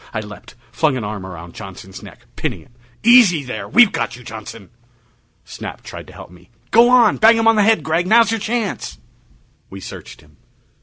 I leaped, flung an arm around Johnson's neck, pinning him. "Easy there! We've got you, Johnson!" Snap tried to help me. "Go on! Bang him on the head, Gregg. Now's your chance!" We searched him.